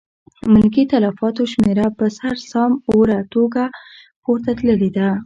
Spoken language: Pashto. ملکي تلفاتو شمېره په سر سام اوره توګه پورته تللې ده.